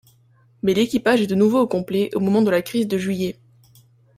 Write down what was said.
Mais l'équipage est de nouveau au complet au moment de la crise de juillet.